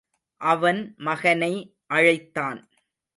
அவன் மகனை அழைத்தான்.